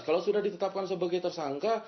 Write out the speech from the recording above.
kalau sudah ditetapkan sebagai tersangka